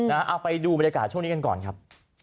เอาไปดูบรรยากาศช่วงนี้กันก่อนครับ